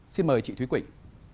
xin mời chị thúy quỳnh